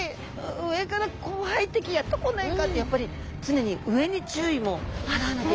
上から怖い敵やって来ないかってやっぱり常に上に注意も払わなきゃいけないわけですね。